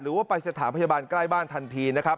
หรือว่าไปสถานพยาบาลใกล้บ้านทันทีนะครับ